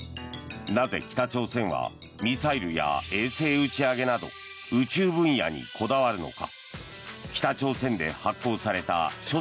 なぜ、北朝鮮はミサイルや衛星打ち上げなど宇宙分野にこだわるのか。